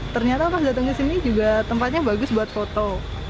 ternyata pas datang ke sini juga tempatnya bagus buat foto